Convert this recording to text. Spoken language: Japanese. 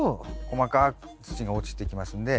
細かい土が落ちていきますんで。